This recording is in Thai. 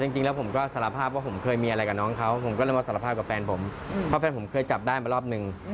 จริงแล้วผมก็สารภาพว่าผมเคยมีอะไรกับน้องเขาผมก็เลยมาสารภาพกับแฟนผมเพราะแฟนผมเคยจับได้มารอบนึง